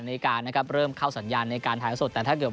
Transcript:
ในการนะครับเริ่มเข้าสัญญาณในการถ่ายสดแต่ถ้าเกิด